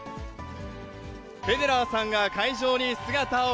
フェデラーさんが会場に姿を